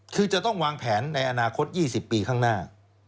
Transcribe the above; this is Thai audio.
คือจะต้องวางแผนในอนาคต๒๐ปีข้างหน้า